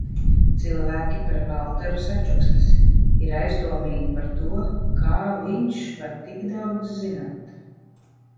Cilvēki par Valteru sačukstas, ir aizdomīgi par to, kā viņš var tik daudz zināt.